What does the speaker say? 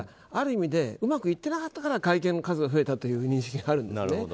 ある意味うまくいってなかったから会見の数が増えたという認識があるんですね。